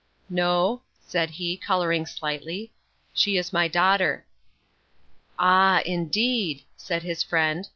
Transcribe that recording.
"No," said he, coloring slightly; "she is my daughter." "Ah, indeed!" said his friend.